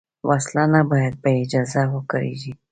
وسله نه باید بېاجازه وکارېږي